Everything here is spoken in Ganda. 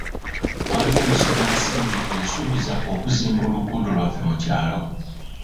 Waliwo musigansimbi eyasuubiza okuzimba oluguudo lwaffe mu kyalo.